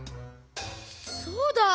そうだ！